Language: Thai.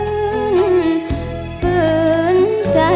เกินใจของสุธรธรรมเซนทรมาน